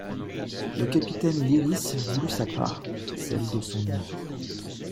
Le capitaine Lyrisse voulut sa part, celle de son neveu.